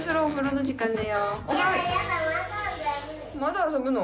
まだ遊ぶの？